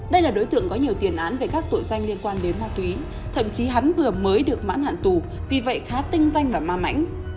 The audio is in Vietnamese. đây là đối tượng có nhiều tiền án về các tội danh liên quan đến ma túy thậm chí hắn vừa mới được mãn hạn tù vì vậy khá tinh danh và ma mãnh